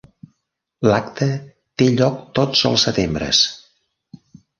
L'acte té lloc tots els setembres.